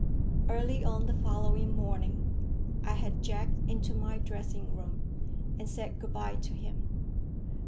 Early on the following morning I had Jack into my dressing room, and said good bye to him.